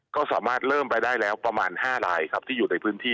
ก็สามารถเริ่มไปได้แล้วประมาณ๕รายครับที่อยู่ในพื้นที่